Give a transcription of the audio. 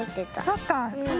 そっかあ。